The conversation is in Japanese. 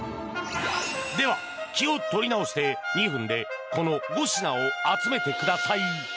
では気を取り直して、２分でこの５品を集めてください。